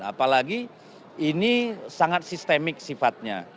apalagi ini sangat sistemik sifatnya